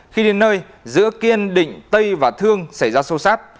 khi đến nơi giữa kiên định tây và thương xảy ra sâu sát